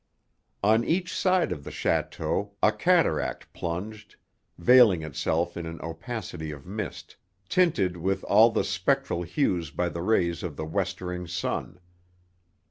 On each side of the château a cataract plunged, veiling itself in an opacity of mist, tinted with all the spectral hues by the rays of the westering sun.